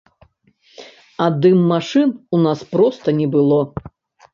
А дым-машын у нас проста не было.